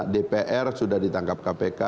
dpr sudah ditangkap kpk